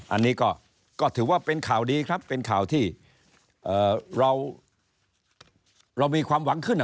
อันนี้ก็ถือว่าเป็นข่าวดีครับเป็นข่าวที่เรามีความหวังขึ้น